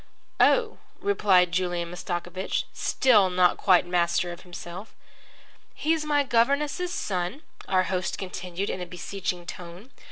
"Oh," replied Julian Mastakovich, still not quite master of himself. "He's my governess's son," our host continued in a beseeching tone.